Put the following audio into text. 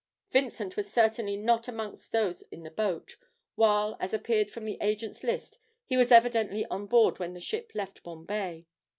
Vincent was certainly not amongst those in the boat, while, as appeared from the agent's list, he was evidently on board when the ship left Bombay.